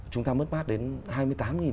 chúng ta mất mát đến